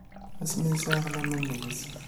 Asmi sɛiɣ laman deg-s.